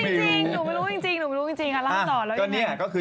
ไม่รู้ไหมไม่รู้